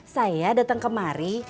saya datang kemari